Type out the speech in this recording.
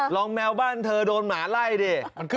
แมวบ้านเธอโดนหมาไล่ดิ